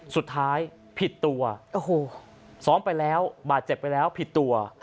สุดท้ายผิดตัวโอ้โหซ้อมไปแล้วบาดเจ็บไปแล้วผิดตัว